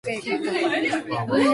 広い病院は迷子になるよね。